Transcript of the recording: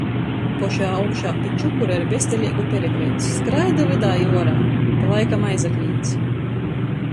Pošā augšā pi čukura ir bezdeleigu perekleits. Skraida vydā i uorā, pa laikam aizaklīdz.